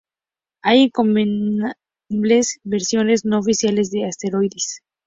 Hay incontables versiones no oficiales de Asteroids.